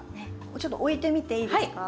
ちょっと置いてみていいですか？